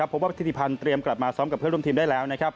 พบว่าธิติพันธ์เตรียมกลับมาซ้อมกับเพื่อนร่วมทีมได้แล้วนะครับ